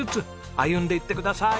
歩んでいってください。